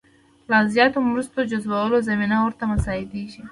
لا زیاتو مرستو جذبولو زمینه ورته مساعدېږي.